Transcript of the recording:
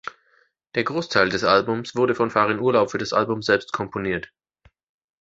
Der Großteil des Albums wurde von Farin Urlaub für das Album selbst komponiert.